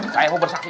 saya mau bersaksi